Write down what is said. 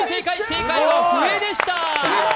正解は「ふえ」でした。